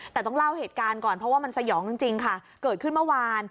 แต่ต้องเล่าเหตุการณ์ก่อนเพราะว่ามันสยองจริงค่ะเกิดขึ้นเมื่อวาน